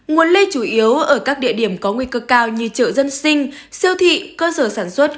nguồn lây chủ yếu ở các địa điểm có nguy cơ cao như chợ dân sinh siêu thị cơ sở sản xuất